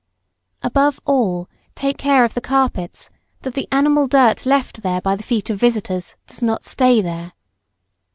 Above all, take care of the carpets, that the animal dirt left there by the feet of visitors does not stay there.